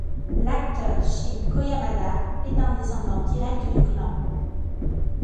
L’acteur Shin Koyamada est un descendant direct du clan.